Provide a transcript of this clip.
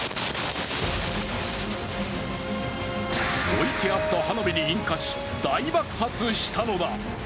置いてあった花火に引火し、大爆発したのだ。